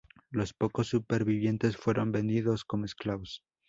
Los pocos supervivientes fueron vendidos como esclavos.